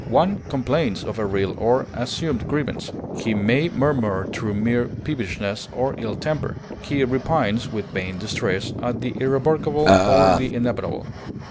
One complains of a real or assumed grievance; he may murmur through mere peevishness or ill temper; he repines, with vain distress, at the irrevocable or the inevitable.